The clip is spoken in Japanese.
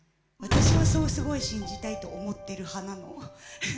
私はそうすごい信じたいと思ってる派なの。